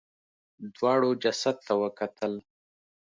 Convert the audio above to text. دواړو جسد ته وکتل.